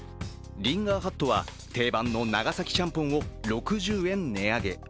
リンガーハットは定番の長崎ちゃんぽんを６０円値上げ。